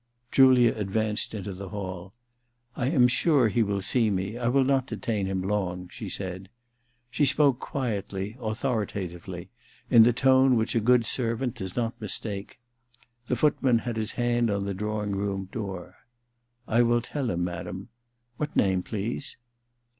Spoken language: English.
* Julia advanced into the haU. * I am sure he will see me — I will not detain him long/ she said. She spoke quietly, authoritatively, in the tone which a good servant does not mistake. The footman had his hand on the drawing room door. ^I ^11 tell him, madam. What name, please